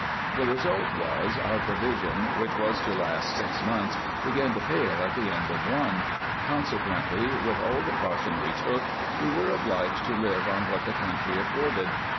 The result was, our provision, which was to last six months, began to fail at the end of one ; consequently, with all the caution we took, we were obliged to live on what the country afforded.